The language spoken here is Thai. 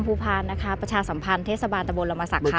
ผู้น้ำฝ่ายอำนวยการค่ะ